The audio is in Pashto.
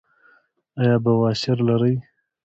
ایا بواسیر لرئ؟